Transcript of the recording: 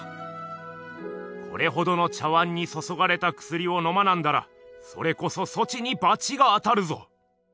「これほどの茶碗にそそがれたくすりをのまなんだらそれこそそちにばちが当たるぞ」。